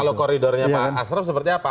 kalau koridornya pak asrom seperti apa